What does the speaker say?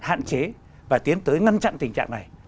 có thể hạn chế và tiến tới ngăn chặn tình trạng này